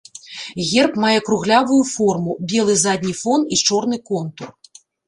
Герб мае круглявую форму, белы задні фон і чорны контур.